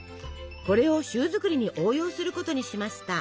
これをシュー作りに応用することにしました。